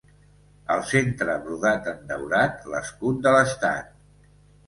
Al centre brodat en daurat l'escut de l'estat.